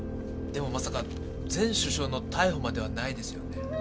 でもまさか前首相の逮捕まではないですよね？